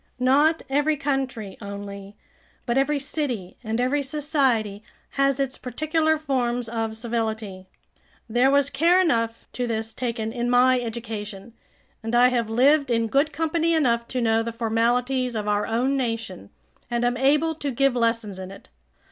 Not every country only, but every city and every society has its particular forms of civility. There was care enough to this taken in my education, and I have lived in good company enough to know the formalities of our own nation, and am able to give lessons in it.